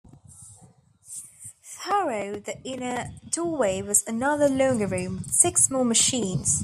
Through the inner doorway was another longer room, with six more machines.